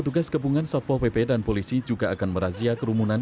dan polisi juga akan merazia kerumunan